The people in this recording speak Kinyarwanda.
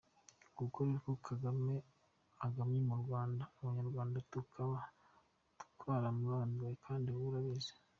Nguko rero uko Kagame agamye mu Rwanda, abanyarwanda tukaba twaramurambiwe, kandi nawe arabizi.